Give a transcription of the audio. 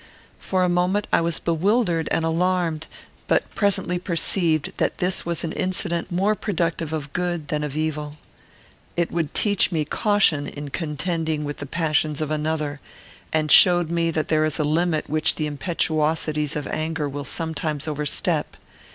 For a moment I was bewildered and alarmed, but presently perceived that this was an incident more productive of good than of evil. It would teach me caution in contending with the passions of another, and showed me that there is a limit which the impetuosities of anger will sometimes overstep.